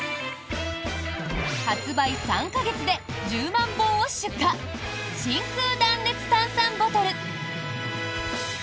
発売３か月で１０万本を出荷真空断熱炭酸ボトル。